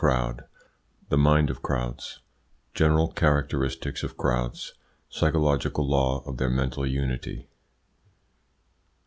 BOOK I THE MIND OF CROWDS CHAPTER I GENERAL CHARACTERISTICS OF CROWDS. PSYCHOLOGICAL LAW OF THEIR MENTAL UNITY.